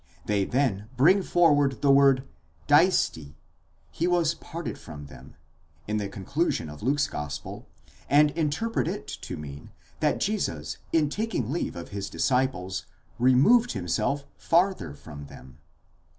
They then bring forward the word διέστη, he was parted from them, in the conclusion of Luke's gospel, and interpret it to mean that Jesus in taking leave of his dis ciples removed himself farther from them.